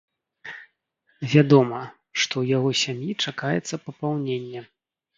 Вядома, што ў яго сям'і чакаецца папаўненне.